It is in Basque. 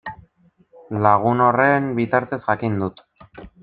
Lagun horren bitartez jakin dut.